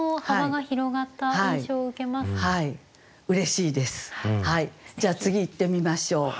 じゃあ次いってみましょう。